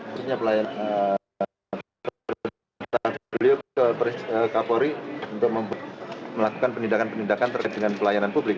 maksudnya pelayanan bapak presiden ke kapolri untuk melakukan penindakan penindakan terkait dengan pelayanan publik